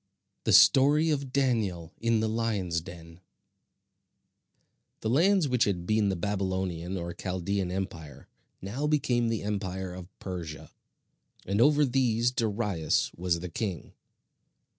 THE STORY OF DANIEL IN THE LIONS' DEN The lands which had been the Babylonian or Chaldean empire, now became the empire of Persia; and over these Darius was the king.